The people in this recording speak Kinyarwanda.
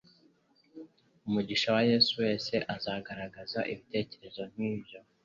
Umwigishwa wa Yesu wese azagaragaza ibitekerezo nk'ibyo.